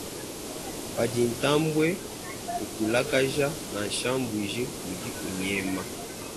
Padi ntambwe ukulakaja, nansha mbuji idi inyema.